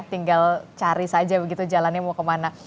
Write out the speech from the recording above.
tinggal cari saja begitu jalannya mau kemana